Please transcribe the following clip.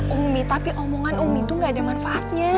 umi tapi omongan umi tuh nggak ada manfaatnya